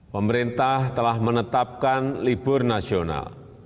pemerintah telah menetapkan libur nasional